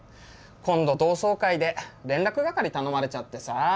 今度同窓会で連絡係頼まれちゃってさ。